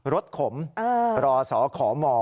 รถขมรอสอขอหมอ